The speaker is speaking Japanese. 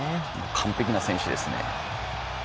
完璧な選手ですね。